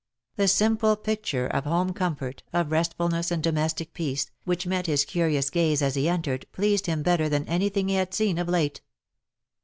The simple picture of home comfort, of restfulness and domestic peace, which met his curious gaze as he entered, pleased him better than anything he had seen of late.